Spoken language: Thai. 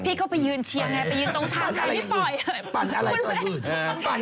พี่เขาไปยืนเชียงไงไปยืนตรงทางไหนมิปล่อย